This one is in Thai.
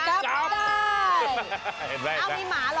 เอ้ามีหมารอรับด้วย